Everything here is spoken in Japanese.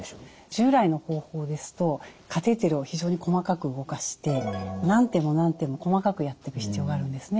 従来の方法ですとカテーテルを非常に細かく動かして何手も何手も細かくやってく必要があるんですね。